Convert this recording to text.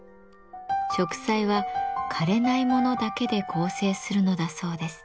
植栽は枯れないものだけで構成するのだそうです。